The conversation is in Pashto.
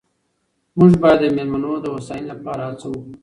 موږ باید د مېلمنو د هوساینې لپاره هڅه وکړو.